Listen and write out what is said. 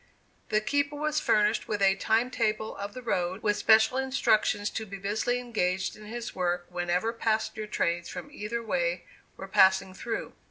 The keeper was furnished with a time table of the road, with special instructions to be busily engaged in his work whenever passenger trains from either way were passing through.